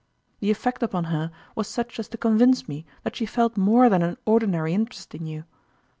The effect upon her was such as to convince me that she felt more than an ordinary interest in you.